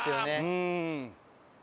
うん。